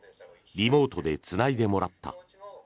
リモートでつないでもらった。